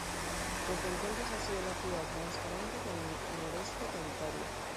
Desde entonces ha sido la ciudad más grande del noroeste de Ontario.